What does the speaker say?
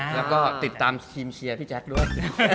แล้วก็ติดตามทีมเชียร์พี่แจ๊คด้วย